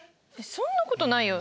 そんなことないよ。